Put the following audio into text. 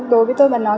đối với tôi mà nói